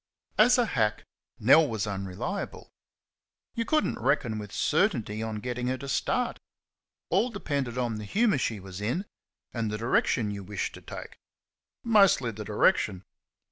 As a hack, Nell was unreliable. You could n't reckon with certainty on getting her to start. All depended on the humour she was in and the direction you wished to take mostly the direction.